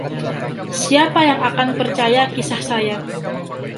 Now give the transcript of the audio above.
Siapa yang akan percaya kisah saya?